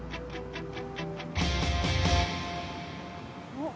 おっ。